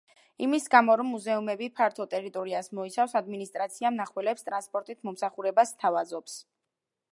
იმის გამო, რომ მუზეუმები ფართო ტერიტორიას მოიცავს, ადმინისტრაცია მნახველებს ტრანსპორტით მომსახურებას სთავაზობს.